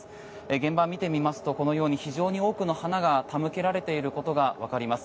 現場を見てみますとこのように非常に多くの花が手向けられていることがわかります。